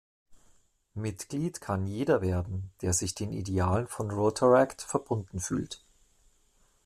Mitglied kann jeder werden, der sich den Idealen von Rotaract verbunden fühlt.